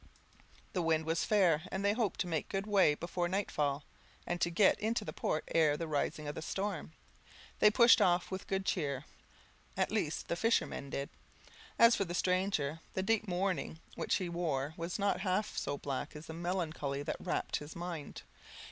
The wind was fair, and they hoped to make good way before nightfall, and to get into port ere the rising of the storm. They pushed off with good cheer, at least the fishermen did; as for the stranger, the deep mourning which he wore was not half so black as the melancholy that wrapt his mind.